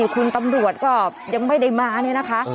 คุณตำรวจก็ยังไม่ได้มาเนี่ยนะคะ